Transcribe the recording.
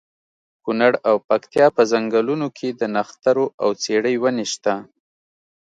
کونړ او پکتیا په ځنګلونو کې د نښترو او څېړۍ ونې شته.